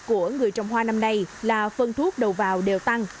của người trồng hoa năm nay là phân thuốc đầu vào đều tăng